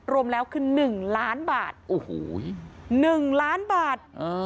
รวมแล้วคือ๑ล้านบาทโอ้โห๑ล้านบาท